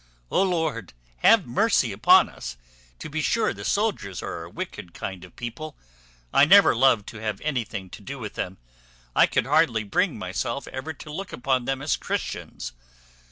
O Lord, have mercy upon us! to be sure the soldiers are a wicked kind of people. I never loved to have anything to do with them. I could hardly bring myself ever to look upon them as Christians.